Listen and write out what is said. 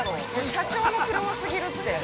社長の車すぎるって。